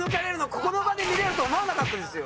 ここの場で見れると思わなかったですよ。